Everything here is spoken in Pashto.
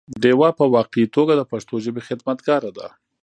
ډيوه په واقعي توګه د پښتو ژبې خدمتګاره ده